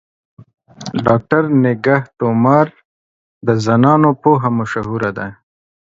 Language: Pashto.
ډاکټر نگهت عمر د زنانو پوهه مشهوره ده.